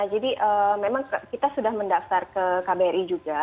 memang kita sudah mendaftar ke kbri juga